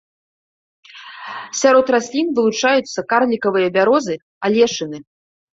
Сярод раслін вылучаюцца карлікавыя бярозы, алешыны.